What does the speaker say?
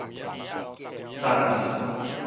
藏去